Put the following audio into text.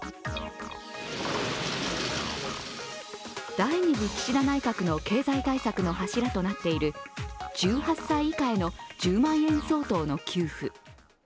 第２次岸田内閣の経済対策の柱となっている１８歳以下への１０万円相当の給付。